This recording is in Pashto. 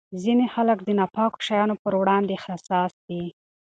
ځینې خلک د ناپاکو شیانو پر وړاندې حساس دي.